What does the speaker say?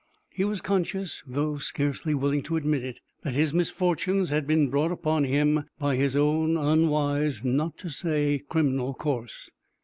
He was conscious, though scarcely willing to admit it, that his misfortunes had been brought upon him by his own unwise, not to say criminal, course.